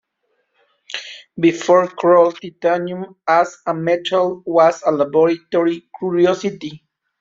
Before Kroll, titanium as a metal was a laboratory curiosity.